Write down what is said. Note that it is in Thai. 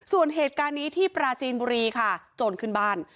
ส่วนเหตุการณ์นี้ที่ปราจีนบุรีค่ะโจรขึ้นบ้าน